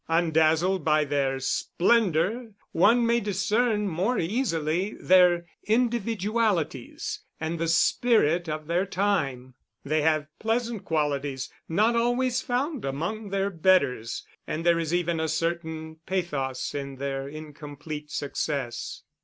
Undazzled by their splendour, one may discern more easily their individualities and the spirit of their time; they have pleasant qualities not always found among their betters, and there is even a certain pathos in their incomplete success.